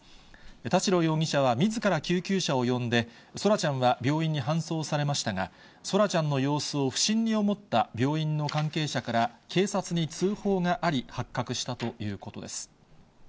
田代容疑者はみずから救急車を呼んで、空来ちゃんは病院に搬送されましたが、空来ちゃんの様子を不審に思った病院の関係者から警察に通報があり、発覚したということです。